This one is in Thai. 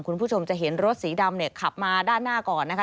คุณผู้ชมจะเห็นรถสีดำเนี่ยขับมาด้านหน้าก่อนนะคะ